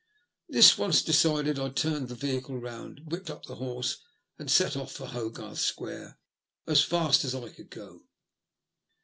This once decided, I turned the vehicle round, whipped up the horse, and set off for Hogarth Square as fast as I could go.